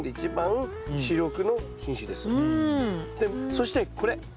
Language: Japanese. そしてこれ。